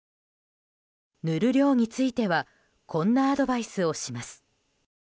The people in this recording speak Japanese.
塗る量についてはこんなアドバイスをします。